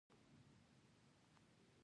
غول د کولمو د جګړې نښه ده.